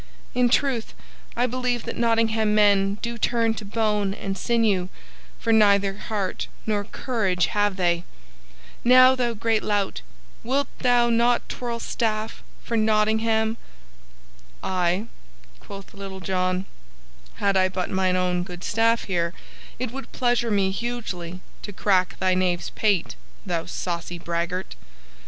In truth, I believe that Nottingham men do turn to bone and sinew, for neither heart nor courage have they! Now, thou great lout, wilt thou not twirl staff for Nottingham?" "Ay," quoth Little John, "had I but mine own good staff here, it would pleasure me hugely to crack thy knave's pate, thou saucy braggart!